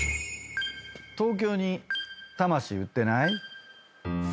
東京に魂売ってない？